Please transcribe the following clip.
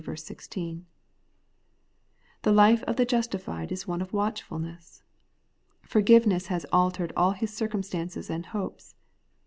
The life of the justified is one of watchfulness. Forgiveness has altered aU his circumstances and hopes.